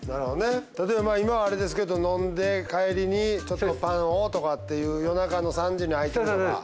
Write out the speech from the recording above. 例えば今はあれですけど飲んで帰りにちょっとパンをとかっていう夜中の３時に開いているとか。